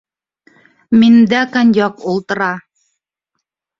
Миндә коньяк ултыра